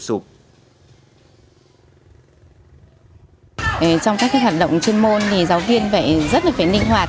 trong các cái hoạt động chuyên môn thì giáo viên vậy rất là phải ninh hoạt